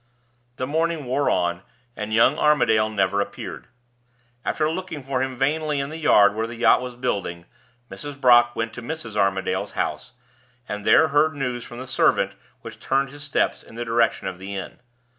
The morning wore on, and young Armadale never appeared. After looking for him vainly in the yard where the yacht was building, Mr. Brock went to Mrs. Armadale's house, and there heard news from the servant which turned his steps in the direction of the inn.